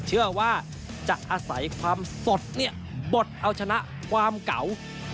เชื่อว่าจะอาศัยความสดบดเอาชนะความเก่า